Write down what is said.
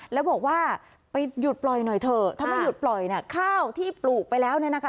แล้วบอกว่าไปหยุดปล่อยหน่อยเถอะถ้าไม่หยุดปล่อยเนี่ยข้าวที่ปลูกไปแล้วเนี่ยนะคะ